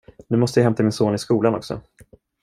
Nu måste jag hämta min son i skolan också.